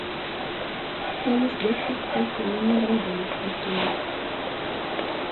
Ḥkan-as-d akk taḥkayt-nni i Wrida n At Qasi Muḥ.